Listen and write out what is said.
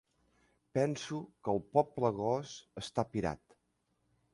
Penso que el poble gos està pirat.